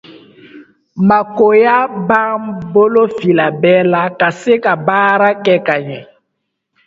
makoya b'an bolo fila bɛɛ la, ka se ka baara kɛ ka ɲɛ.